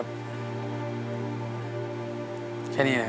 ขอบคุณครับ